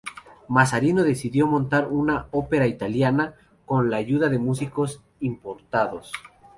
Mazarino decidió montar una ópera italiana, con la ayuda de músicos importados.